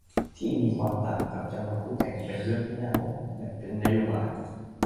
ที่มีความต่างกับจังหวัดคู่แข่งเป็นเรื่องที่น่าออกแบบเป็นนโยบาย